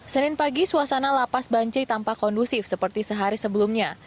senin pagi suasana lapas bancai tampak kondusif seperti sehari sebelumnya